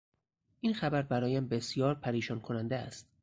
این خبر برایم بسیار پریشان کننده است.